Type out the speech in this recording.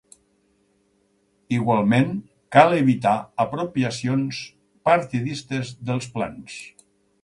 Igualment, cal evitar apropiacions partidistes dels plans.